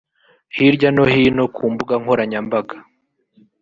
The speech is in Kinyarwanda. Hirya no hino ku mbuga nkoranyambaga